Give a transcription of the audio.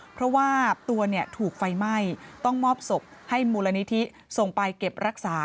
เพราะว่าตัวเนี่ยถูกไฟไหม้ต้องมอบศพให้มูลนิธิส่งไปเก็บรักษา